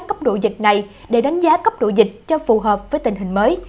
cấp độ dịch này để đánh giá cấp độ dịch cho phù hợp với tình hình mới